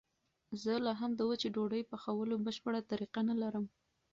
زه لا هم د وچې ډوډۍ پخولو بشپړه طریقه نه لرم.